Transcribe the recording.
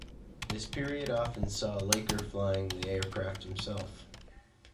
This period often saw Laker flying the aircraft himself.